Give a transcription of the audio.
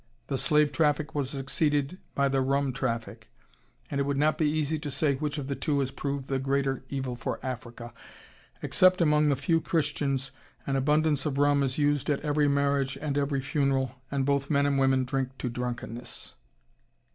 The slave traffic was succeeded by the rum traffic; and it would not be easy to say which of the two has proved the greater evil for Africa.... Except among the few Christians, an abundance of rum is used at every marriage and every funeral and both men and women drink to drunkenness....